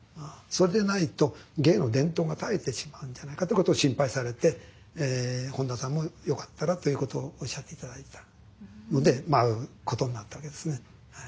それでないと芸の伝統が絶えてしまうんじゃないかということを心配されて「本田さんもよかったら」ということをおっしゃっていただいたので舞うことになったわけですね。